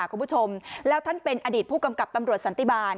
คุณผู้ชมแล้วท่านเป็นอดีตผู้กำกับตำรวจสันติบาล